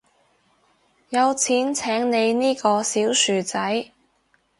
有錢請你呢個小薯仔